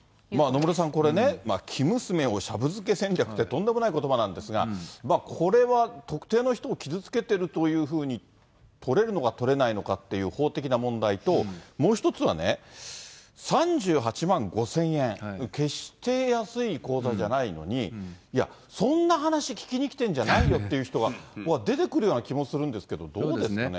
野村さん、これね、生娘をシャブ漬け戦略ってとんでもないことばなんですが、これは特定の人を傷つけているというふうに取れるのか取れないのかっていう法的な問題と、もう１つはね、３８万５０００円、決して安い講座じゃないのに、いや、そんな話聞きに来てるんじゃないよという人が僕は出てくるんじゃないかと思うんですけれども、どうですかね。